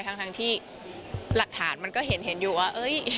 ทั้งที่หลักฐานมันก็เห็นอยู่ว่า